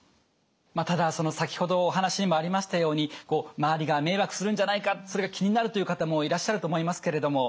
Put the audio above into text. ただ先ほどお話にもありましたようにこう周りが迷惑するんじゃないかそれが気になるという方もいらっしゃると思いますけれども。